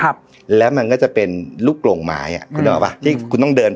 ครับแล้วมันก็จะเป็นลูกกลงไม้อ่ะคุณนึกออกป่ะที่คุณต้องเดิน